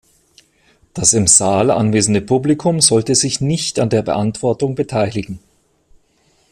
Das im Saal anwesende Publikum sollte sich nicht an der Beantwortung beteiligen.